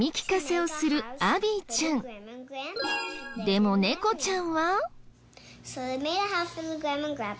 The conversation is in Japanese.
でも猫ちゃんは。